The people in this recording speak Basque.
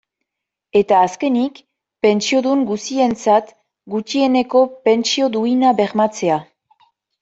Eta azkenik, pentsiodun guztientzat gutxieneko pentsio duina bermatzea.